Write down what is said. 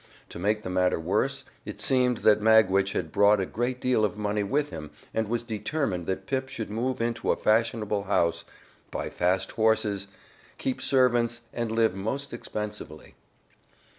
To make the matter worse, it seemed that Magwitch had brought a great deal of money with him and was determined that Pip should move into a fashionable house, buy fast horses, keep servants and live most expensively.